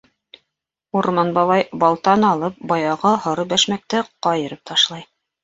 Урман бабай, балтаны алып, баяғы һоро бәшмәкте ҡайырып ташлай.